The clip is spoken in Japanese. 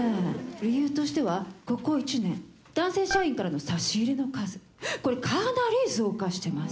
理由としてはここ１年男性社員からの差し入れの数これかなり増加してます。